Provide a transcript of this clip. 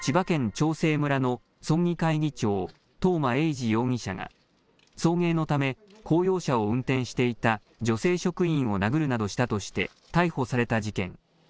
長生村の村議会議長、東間永次容疑者が、送迎のため公用車を運転していた女性職員を殴るなどしたとして、逮捕された事件。